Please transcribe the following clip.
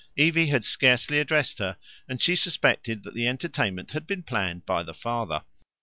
Evie had scarcely addressed her, and she suspected that the entertainment had been planned by the father.